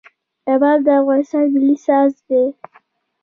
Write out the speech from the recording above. رباب د افغانستان ملي ساز دی.